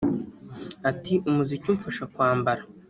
Ati “Umuziki umfasha kwambara